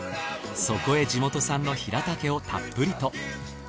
そこへ地元産のヒラタケをたっぷりと。